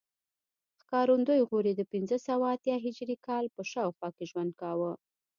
ښکارندوی غوري د پنځه سوه اتیا هجري کال په شاوخوا کې ژوند کاوه